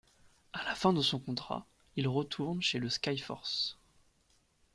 À la fin de son contrat, il retourne chez le Skyforce.